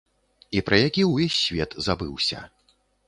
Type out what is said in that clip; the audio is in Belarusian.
І пра які ўвесь свет забыўся.